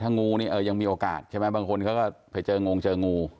งูนี่เออยังมีโอกาสใช่ไหมบางคนเขาก็ไปเจองงเจองู